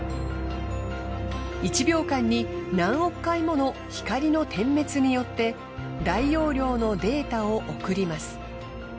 １秒間に何億回もの光の点滅によって大容量のデータを送ります。